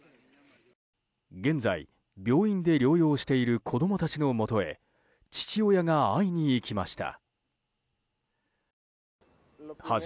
現在、病院で療養している子供たちのもとへ父親が会いに行きました。